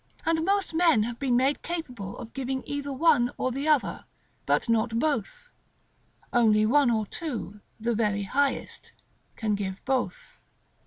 And most men have been made capable of giving either one or the other, but not both; only one or two, the very highest, can give both.